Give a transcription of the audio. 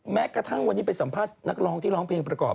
แม้กระทั่งวันนี้ไปสัมภาษณ์นักร้องที่ร้องเพลงประกอบ